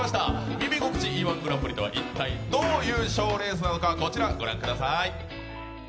「耳心地いい−１グランプリ」とは一体どういう賞レースなのか、こちらご覧ください。